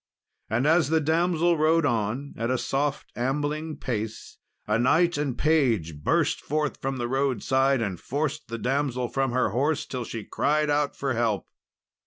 And as the damsel rode on at a soft ambling pace, a knight and page burst forth from the roadside and forced the damsel from her horse, till she cried out for help.